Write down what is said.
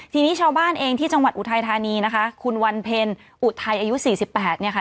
ทีนี้ชาวบ้านเองที่จังหวัดอุทัยธานีนะคะคุณวันเพ็ญอุทัยอายุ๔๘เนี่ยค่ะ